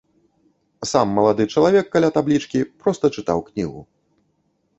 Сам малады чалавек каля таблічкі проста чытаў кнігу.